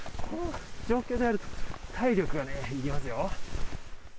この状況でやる体力がね、いりますよ。